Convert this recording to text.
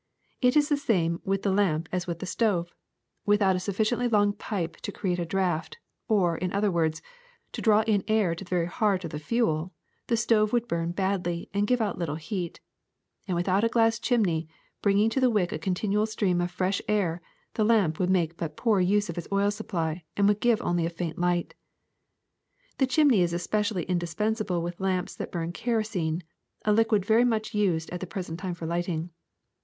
It is the same with the lamp as with the stove : with out a sufficiently long pipe to create a draft, or, in other words, to draw in air to the very heart of the fuel, the stove would burn badly and give out little heat ; and without the glass chimney bringing to the wick a continual stream of fresh air the lamp would make but poor use of its oil supply and would give only a faint light. *'The chimney is especially indispensable with lamps that burn kerosene, a liquid very much used at the present time for lighting.